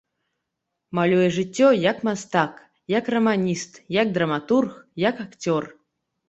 Малюе жыццё, як мастак, як раманіст, як драматург, як акцёр.